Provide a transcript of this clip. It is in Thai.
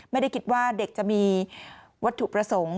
ไม่ได้คิดว่าเด็กจะมีวัตถุประสงค์